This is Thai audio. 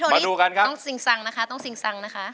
มาดูกันครับพี่โทนี่ต้องสิงสังนะคะต้องสิงสังนะคะ